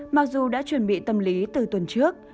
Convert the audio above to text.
mặc dù đã chuẩn bị tâm lý từ tuần trước